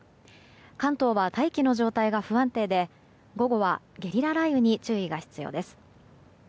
関東は大気の状態が不安定で午後はゲリラ雷雨に注意が必要です。